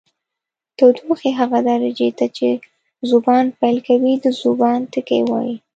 د تودوخې هغه درجې ته چې ذوبان پیل کوي د ذوبان ټکی وايي.